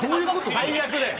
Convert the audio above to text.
最悪だよ。